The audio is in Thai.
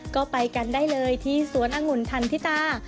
ก็ไปกันได้เลยที่สวนองุ่นทันทิตา